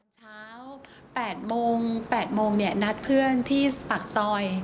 เช้า๘โมง๘โมงเนี่ยนัดเพื่อนที่ปากซอย